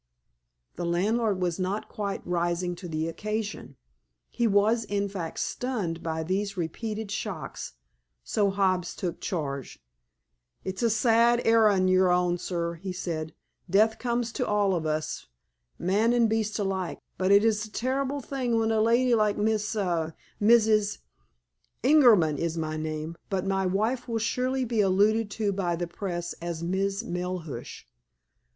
The landlord was not quite rising to the occasion. He was, in fact, stunned by these repeated shocks. So Hobbs took charge. "It's a sad errand you're on, sir," he said. "Death comes to all of us, man an' beast alike, but it's a terrible thing when a lady like Miss— Mrs. ——" "Ingerman is my name, but my wife will certainly be alluded to by the press as Miss Melhuish."